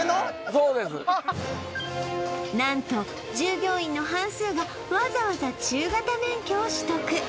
そうです何と従業員の半数がわざわざ中型免許を取得